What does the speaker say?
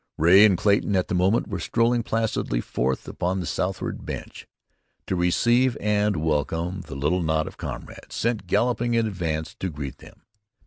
Ray and Clayton at the moment were strolling placidly forth upon the southward "bench" to receive and welcome the little knot of comrades sent galloping in advance to greet them.